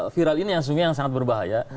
viral ini yang sungai yang sangat berbahaya